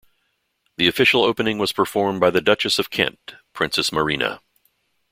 The official opening was performed by the Duchess of Kent, Princess Marina.